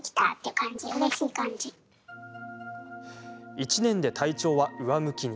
１年で体調は上向きに。